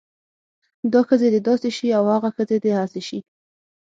دا ښځې د داسې شی او هاغه ښځې د هاسې شی